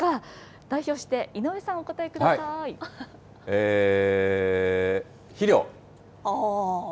代表して井上さん、お答えくださえー、肥料。